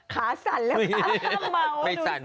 ขาสั่นละไม่สั่น